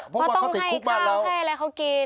เพราะว่าเขาติดคุกบ้านแล้วเพราะต้องให้ข้าวให้อะไรเขากิน